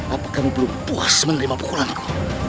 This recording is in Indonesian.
apa kamu belum puas menerima pukulanku